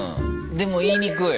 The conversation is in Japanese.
でも言いにくい。